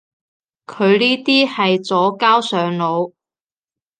佢呢啲係左膠上腦